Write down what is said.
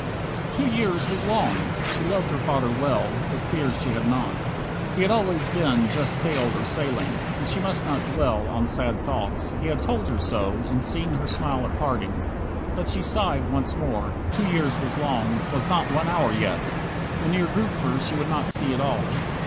34 Two years was long! She loved her father well, But fears she had not. He had always been Just sailed or sailing. And she must not dwell On sad thoughts, he had told her so, and seen Her smile at parting. But she sighed once more. Two years was long; 'twas not one hour yet! Mynheer Grootver she would not see at all.